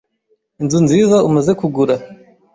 inzu nziza umaze kugura,